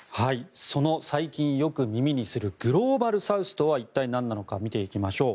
その、最近よく耳にするグローバルサウスとは一体なんなのか見ていきましょう。